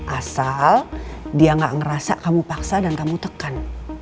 asal dia gak ngerasa kamu paksa dan kamu tekan